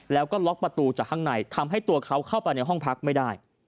แล้วก็ล็อกประตูจากข้างในทำให้ตัวเขาเข้าไปในห้องพักไม่ได้